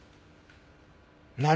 何？